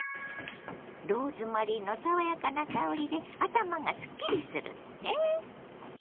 「ローズマリーの爽やかな香りで頭がすっきりする」って？